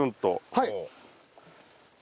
はい。